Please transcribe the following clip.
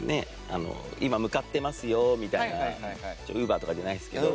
あの今向かってますよみたいなウーバーとかじゃないですけど。